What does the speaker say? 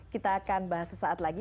kita akan bahas sesaat lagi